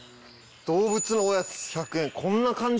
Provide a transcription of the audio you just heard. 動物のおやつ１００円。